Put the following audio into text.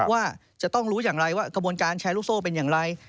ว่าจะต้องรู้อย่างไรว่ากระบวนการแชร์ลูกโซ่เป็นอย่างไร